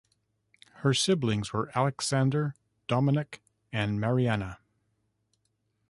Her siblings were Aleksander Dominik and Marianna.